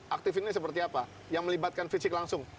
aktif ini seperti apa yang melibatkan fisik langsung